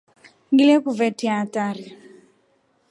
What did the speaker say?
Ngilekuvetia hatri.